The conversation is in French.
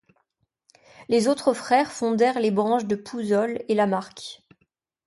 Les autres frères fondèrent les branches de Pouzol et Lamarque.